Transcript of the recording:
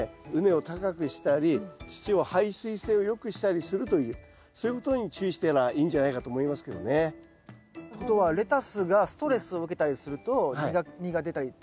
畝を高くしたり土を排水性を良くしたりするというそういうことに注意したらいいんじゃないかと思いますけどね。ってことはレタスがストレスを受けたりすると苦みが出たりとかするってことですか？